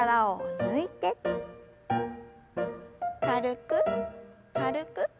軽く軽く。